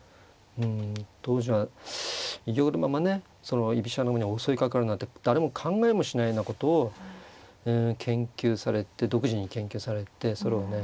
当時は居玉のまま居飛車の方に襲いかかるなんて誰も考えもしないようなことを独自に研究されてそれをね